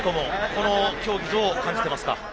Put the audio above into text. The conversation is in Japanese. この競技どう感じてますか？